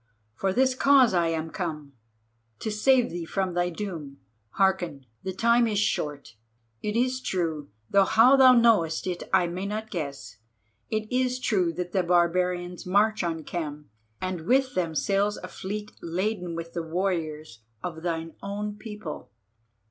For this cause I am come, to save thee from thy doom. Hearken, the time is short. It is true—though how thou knowest it I may not guess—it is true that the barbarians march on Khem, and with them sails a fleet laden with the warriors of thine own people.